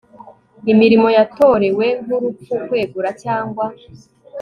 imirimo yatorewe nk urupfu kwegura cyangwa